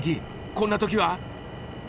こんな時は！